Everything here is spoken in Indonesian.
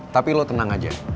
tapi lo tenang aja